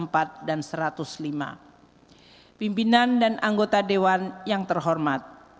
pimpinan dan anggota dewan yang terhormat